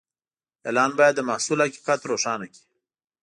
اعلان باید د محصول حقیقت روښانه کړي.